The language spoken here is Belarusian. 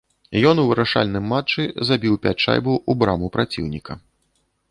Ён у вырашальным матчы забіў пяць шайбаў у браму праціўніка.